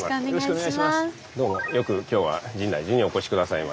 どうもよく今日は深大寺にお越し下さいました。